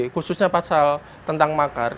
khususnya pasal tentang makar